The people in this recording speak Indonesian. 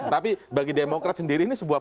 tapi bagi demokrat sendiri ini sebuah